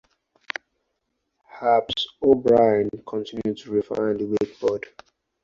Herb O'Brien continued to refine the wakeboard.